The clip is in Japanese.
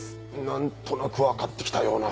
何となく分かってきたような。